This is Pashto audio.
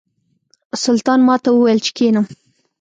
سلطان ماته وویل چې کښېنم.